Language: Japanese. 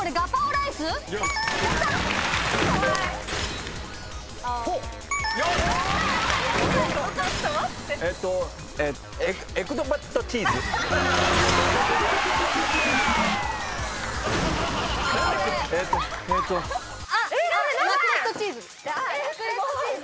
「ラクレットチーズ」！